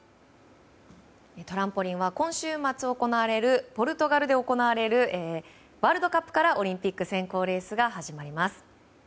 トランポリンは今週末行われるポルトガルで行われるワールドカップからオリンピック選考レースが始まります。